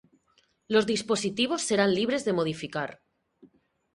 Los dispositivos serán libres de modificar.